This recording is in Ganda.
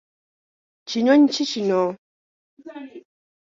Kinyonyi ki kino?